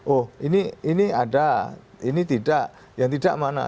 oh ini ada ini tidak yang tidak mana